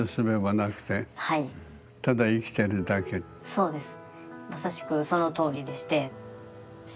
そうです。